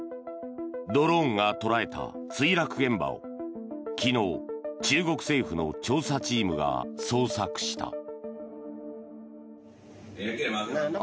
ドローンが捉えた墜落現場を昨日、中国政府の調査チームが捜索した。